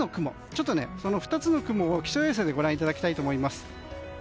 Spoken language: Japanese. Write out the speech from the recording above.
ちょっとその２つの雲を気象衛星でご覧いただきます。